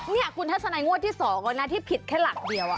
นี่คุณทัศนัยงวดที่๒แล้วนะที่ผิดแค่หลักเดียว